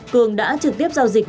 cường đã trực tiếp giao dịch